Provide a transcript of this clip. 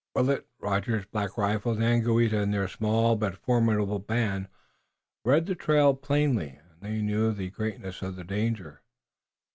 Willet, Rogers, Black Rifle, Daganoweda and their small but formidable band read the trail plainly, and they knew the greatness of the danger.